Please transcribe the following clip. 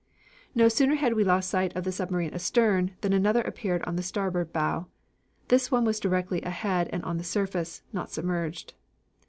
"No sooner had we lost sight of the submarine astern, than another appeared on the starboard bow. This one was directly ahead and on the surface, not submerged.